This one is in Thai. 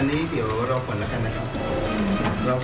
อันนี้เดี๋ยวรอก่อนแล้วกันนะครับ